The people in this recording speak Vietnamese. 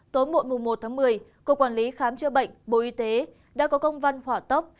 tối muộn một tháng một mươi cục quản lý khám chữa bệnh bộ y tế đã có công văn hỏa tốc